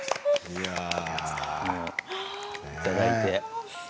いただいて。